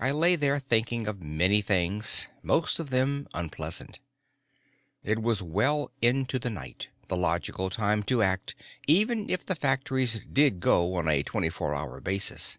I lay there thinking of many things, most of them unpleasant. It was well into the night, the logical time to act even if the factories did go on a twenty four hour basis.